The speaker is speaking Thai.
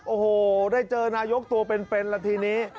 โอ้โหได้เจอนายกตัวเป็นละทีนี้